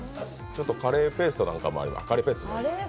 カレーペーストなんかもあります。